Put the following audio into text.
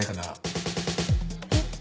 えっ？